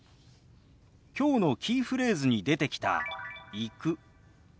きょうのキーフレーズに出てきた「行く」。